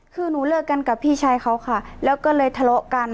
คือหนูเลิกกันกับพี่ชายเขาค่ะแล้วก็เลยทะเลาะกัน